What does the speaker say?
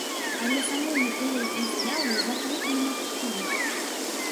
Але саму ідэю і з'яву закрыць немагчыма.